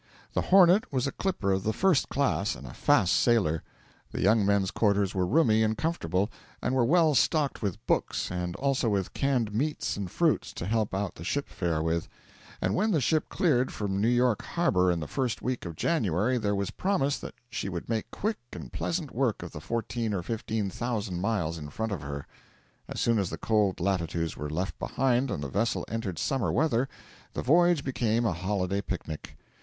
The 'Hornet' was a clipper of the first class and a fast sailer; the young men's quarters were roomy and comfortable, and were well stocked with books, and also with canned meats and fruits to help out the ship fare with; and when the ship cleared from New York harbour in the first week of January there was promise that she would make quick and pleasant work of the fourteen or fifteen thousand miles in front of her. As soon as the cold latitudes were left behind and the vessel entered summer weather, the voyage became a holiday picnic.